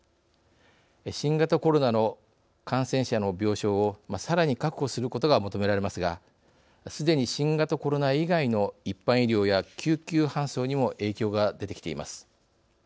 新型コロナの感染者の病床をさらに確保することが求められますがすでに、新型コロナ以外の一般医療や救急搬送にも影響が出てきています。